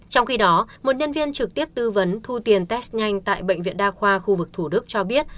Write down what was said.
trong khi đó một nhân viên trực tiếp tư vấn thu tiền test nhanh tại bệnh viện đa khoa khu vực thủ đức cho biết